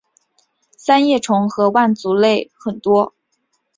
三叶虫和腕足类很多。